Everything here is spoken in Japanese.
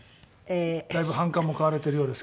だいぶ反感も買われてるようですけれども。